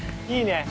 いいね。